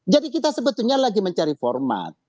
jadi kita sebetulnya lagi mencari format